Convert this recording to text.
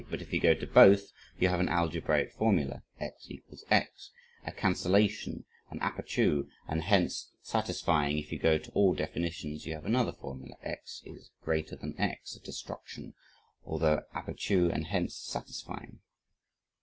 But if you go to both, you have an algebraic formula, x = x, a cancellation, an apercu, and hence satisfying; if you go to all definitions you have another formula x > x, a destruction, another apercu, and hence satisfying.